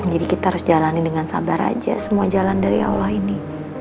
jadi kita harus jalani dengan sabar aja semua jalan dari allah ini